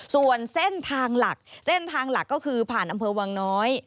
ส่วนเส้นทางหลักเส้นทางหลักก็คือผ่านอำเภอวังน้อย